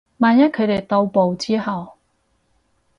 萬一佢哋到埗之後